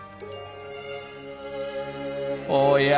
おや？